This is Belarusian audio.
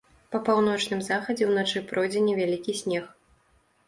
Па паўночным захадзе ўначы пройдзе невялікі снег.